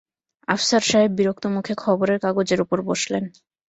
আফসার সাহেব বিরক্ত মুখে খবরের কাগজের ওপর বসলেন।